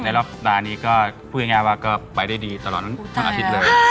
รอบสัปดาห์นี้ก็พูดง่ายว่าก็ไปได้ดีตลอดทั้งอาทิตย์เลย